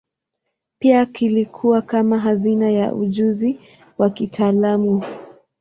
Pia kilikuwa kama hazina ya ujuzi wa kitaalamu.